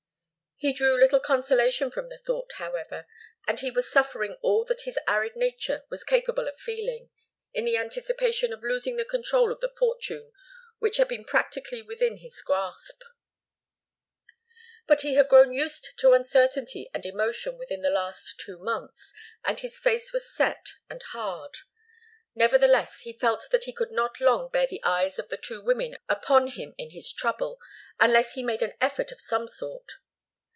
He drew little consolation from the thought, however, and he was suffering all that his arid nature was capable of feeling, in the anticipation of losing the control of the fortune which had been practically within his grasp. But he had grown used to uncertainty and emotion within the last two months, and his face was set and hard. Nevertheless, he felt that he could not long bear the eyes of the two women upon him in his trouble, unless he made an effort of some sort.